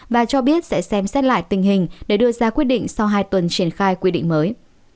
và cho biết sẽ xem xét lại tình hình để đưa ra quyết định sau hai tuần triển khai quy định mới